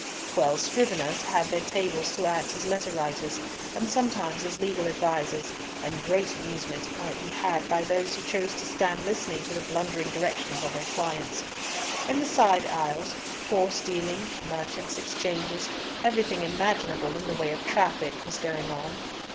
Twelve scriveners had their tables to act as letter writers, and sometimes as legal advisers, and great amusement might be had by those who chose to stand listening to the blundering directions of their clients. In the side aisles, horse dealing, merchants' exchanges, everything imaginable in the way of traffic was going on.